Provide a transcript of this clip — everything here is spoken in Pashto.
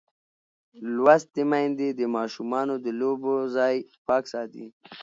لوستې میندې د ماشومانو د لوبو ځای پاک ساتي.